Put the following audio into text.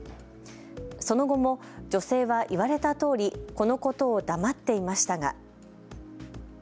その後も女性は言われたとおりこのことを黙っていましたが。